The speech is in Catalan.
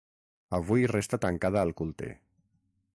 Avui resta tancada al culte.